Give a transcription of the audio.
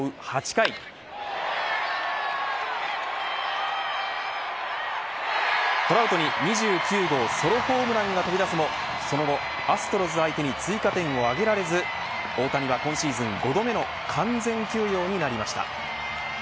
８回トラウトに２９号ソロホームランが飛び出すもその後、アストロズ相手に追加点を挙げられず大谷は今シーズン５度目の完全休養になりました。